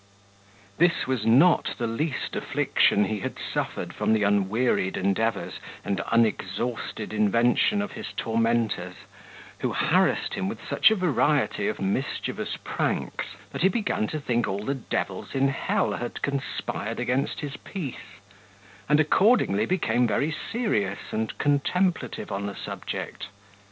This was not the least affliction he had suffered from the unwearied endeavours and unexhausted invention of his tormentors, who harassed him with such a variety of mischievous pranks, that he began to think all the devils in hell had conspired against his peace; and accordingly became very serious and contemplative on the subject.